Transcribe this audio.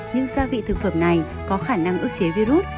những gia vị thực phẩm này có khả năng ước chế virus